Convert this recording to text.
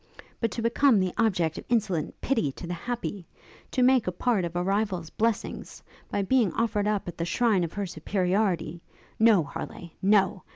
But to become the object of insolent pity to the happy! to make a part of a rival's blessings, by being offered up at the shrine of her superiority No, Harleigh, no!